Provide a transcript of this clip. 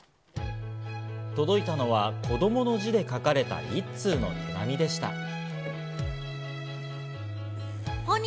届いたのは子供の字で書かれた一通の手紙でした。